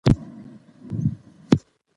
که ټولنه وي نو ملاتړ نه کمیږي.